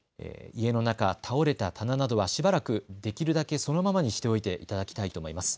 家の中、倒れた棚などはしばらく、できるだけそのままにしておいていただきたいと思います。